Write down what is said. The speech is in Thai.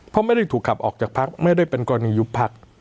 เพราะไม่ได้ถูกขับออกจากพักไม่ได้เป็นกรณียุบพัก